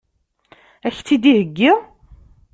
Ad k-tt-id-iheggi?